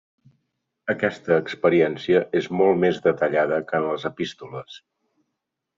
Aquesta experiència és molt més detallada que en les Epístoles.